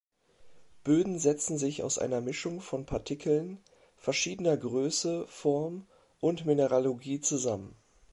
Böden setzen sich aus einer Mischung von Partikeln verschiedener Größe, Form und Mineralogie zusammen.